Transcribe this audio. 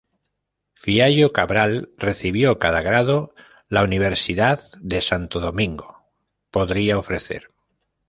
Fiallo Cabral recibió cada grado la Universidad de Santo Domingo podría ofrecer.